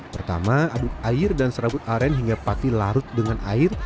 pertama aduk air dan serabut aren hingga pati larut dengan air